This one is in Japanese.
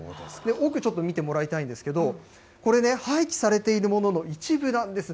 奥、ちょっと見てもらいたいんですけれども、これね、廃棄されているものの一部なんです。